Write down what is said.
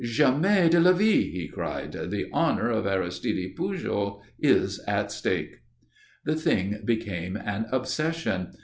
"Jamais de la vie!" he cried "The honour of Aristide Pujol is at stake." The thing became an obsession.